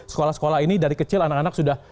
sekolah sekolah ini dari kecil anak anak sudah